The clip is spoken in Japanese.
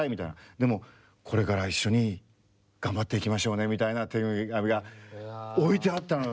で「これから一緒に頑張っていきましょうね」みたいな手紙が置いてあったのよ。